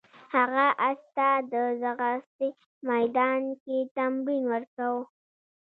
هغه اس ته د ځغاستې میدان کې تمرین ورکاوه.